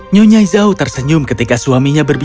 nyonyai zhao tersenyum ketika suaminya berdiri